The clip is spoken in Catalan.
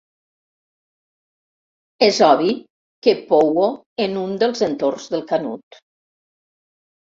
És obvi que pouo en un dels entorns del Canut.